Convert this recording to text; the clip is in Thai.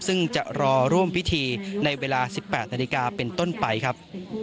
ซึ่งจะรอร่วมพิธีในเวลา๑๘นาฬิกาเป็นต้นไปครับ